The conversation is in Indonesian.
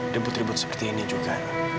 debut ribut seperti ini juga